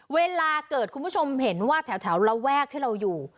เวลาเกิดคุณผู้ชมเห็นว่าแถวระแวกที่เราอยู่